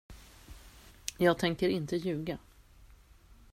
Jag tänker inte ljuga.